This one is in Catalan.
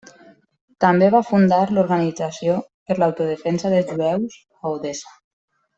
També va fundar l'Organització per l'autodefensa dels jueus a Odessa.